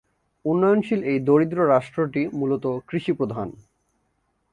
উন্নয়নশীল এই দরিদ্র রাষ্ট্রটি মূলত কৃষিপ্রধান।